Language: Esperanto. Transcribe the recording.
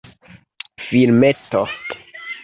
filmeto